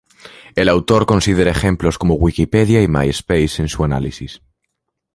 El autor considera ejemplos como Wikipedia y MySpace en su análisis.